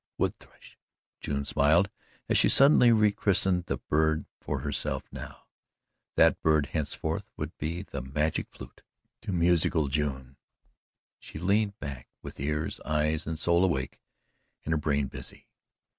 Wood thrush! June smiled as she suddenly rechristened the bird for herself now. That bird henceforth would be the Magic Flute to musical June and she leaned back with ears, eyes and soul awake and her brain busy.